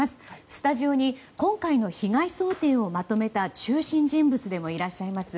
スタジオに今回の被害想定をまとめた中心人物でもいらっしゃいます